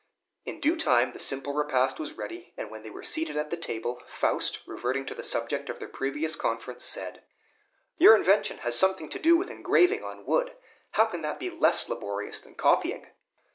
In due time the simple repast was ready; and when they were seated at the table, Faust, reverting to the subject of their previous conference, said, "Your invention has something to do with engraving on wood. How can that be less laborious than copying?"